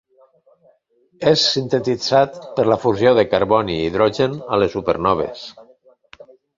És sintetitzat per la fusió de carboni i hidrogen a les supernoves.